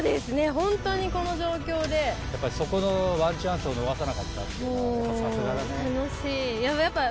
ホントにこの状況でやっぱりそこのワンチャンスを逃さなかったっていうのはやっぱりさすがだね